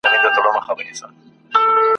منظور نه دی غونډ اولس دی د پنجاب په زولنو کي ..